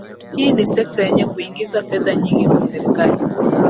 Hii ni sekta yenye kuingiza fedha nyingi kwa serikali